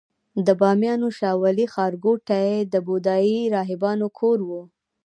د بامیانو شاولې ښارګوټي د بودايي راهبانو کور و